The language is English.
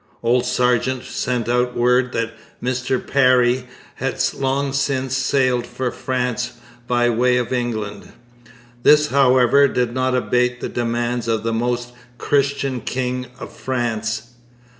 Old Sargeant sent out word that Mister Parry had long since sailed for France by way of England. This, however, did not abate the demands of the Most Christian King of France.